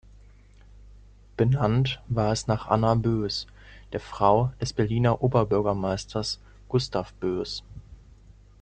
Benannt war es nach "Anna Böß", der Frau des Berliner Oberbürgermeisters Gustav Böß.